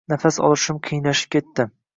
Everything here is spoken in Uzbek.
Nafas olishim qiyinlashib ketdi.